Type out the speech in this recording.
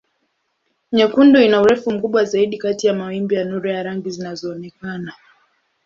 Nyekundu ina urefu mkubwa zaidi kati ya mawimbi ya nuru ya rangi zinazoonekana.